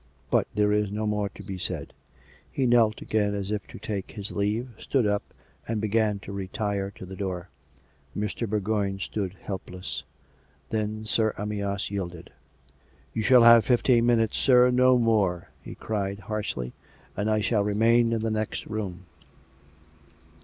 But there is no more to be said " He kneeled again as if to take his leave, stood up, and began to retire to the door. Mr. Bourgoign stood helpless. Then Sir Amyas yielded. " You shall have fifteen minutes, sir. No more," he cried harshly. " And I shall remain in the next room."